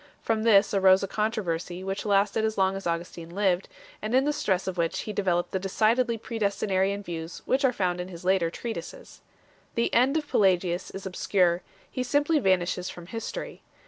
From this arose a controversy which lasted as long as Augustin lived, and in the stress of which he developed the decidedly predestinarian views which are found in his later treatises 2 . The end of Pelagius is obscure; he simply vanishes from history.